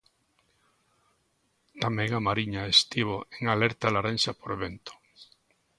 Tamén a Mariña estivo en alerta laranxa por vento.